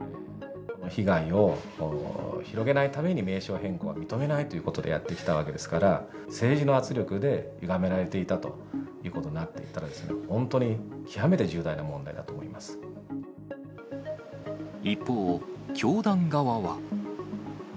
被害を広げないために、名称変更は認めないということでやってきたわけですから、政治の圧力でゆがめられていたということになっていたら、本当に一方、教団側は。